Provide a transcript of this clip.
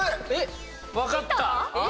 分かった！